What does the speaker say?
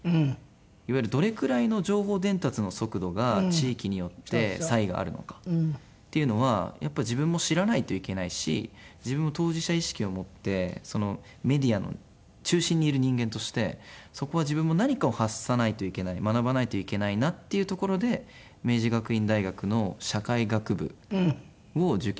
いわゆるどれくらいの情報伝達の速度が地域によって差異があるのかっていうのはやっぱり自分も知らないといけないし自分も当事者意識を持ってメディアの中心にいる人間としてそこは自分も何かを発さないといけない学ばないといけないなっていうところで明治学院大学の社会学部を受験しました。